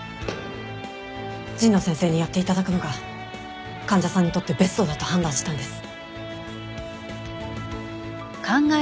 神野先生にやって頂くのが患者さんにとってベストだと判断したんです。